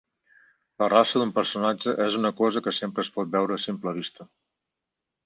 La raça d'un personatge és una cosa que sempre es pot veure a simple vista.